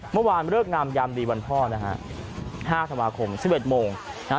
เมื่อวานเลิกงามยามดีวันท่อนะฮะห้าธวาคมสิบเอ็ดโมงนะฮะ